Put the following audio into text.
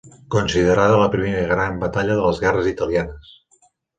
Considerada la primera gran batalla de les guerres italianes.